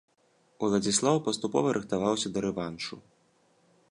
Уладзіслаў паступова рыхтаваўся да рэваншу.